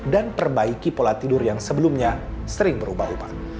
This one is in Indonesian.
perbaiki pola tidur yang sebelumnya sering berubah ubah